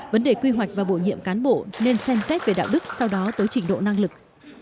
vấn đề quy hoạch và bổ nhiệm cán bộ nên xem xét về đạo đức sau đó tới trình độ năng lực